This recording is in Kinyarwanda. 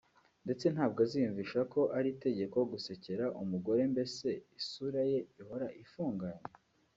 ndetse ntabwo aziyumvisha ko ari itegeko gusekera umugore mbese isura ye ihora ifunganye